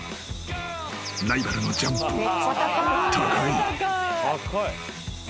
［ライバルのジャンプは高い］